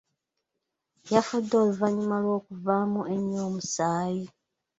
Yafudde oluvannyuma lw'okuvaamu ennyo omusaayi.